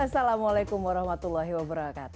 assalamualaikum wr wb